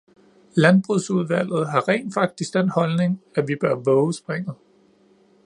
Landbrugsudvalget har rent faktisk den holdning, at vi bør vove springet.